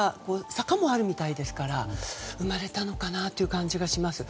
坂もあるみたいですから生まれたのかなという感じがします。